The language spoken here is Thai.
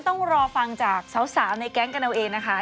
ต้องรอฟังจากสาวในแก๊งกันเอาเองนะคะ